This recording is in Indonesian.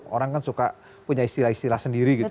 orang kan suka punya istilah istilah sendiri gitu